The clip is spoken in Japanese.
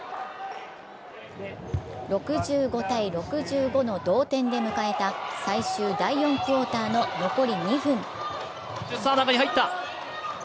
６５−６５の同点で迎えた最終第４クオーターの残り２分。